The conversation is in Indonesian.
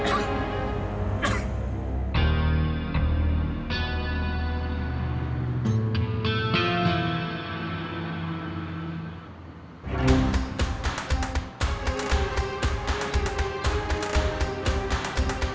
cuma mau pastiin aja kalau hari ini saya sendirian